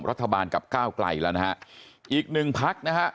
รัฐบาลกับก้าวไกลแล้วนะฮะอีกหนึ่งพักนะฮะ